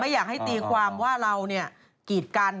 ไม่อยากให้ตรีความว่าเรากรีดกัน